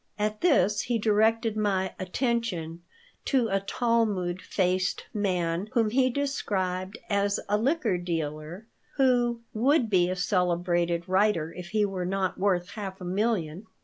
At this he directed my attention to a "Talmud faced" man whom he described as a liquor dealer who "would be a celebrated writer if he were not worth half a million."